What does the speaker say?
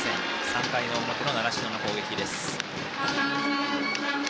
３回の表の習志野の攻撃です。